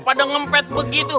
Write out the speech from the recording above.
pada ngempet begitu